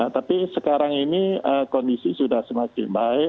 tapi sekarang ini kondisi sudah semakin baik